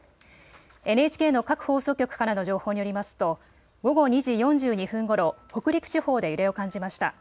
ＮＨＫの各放送局からの情報によりますと午後２時４２分ごろ北陸地方で揺れを感じました。